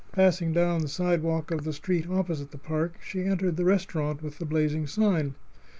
Passing down the sidewalk of the street opposite the park, she entered the restaurant with the blazing sign.